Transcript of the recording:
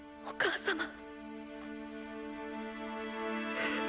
お母様！